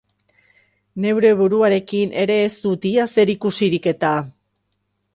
Neure buruarekin ere ez dut ia zerikusirik-eta!